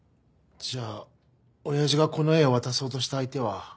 じゃあ親父がこの絵を渡そうとした相手は。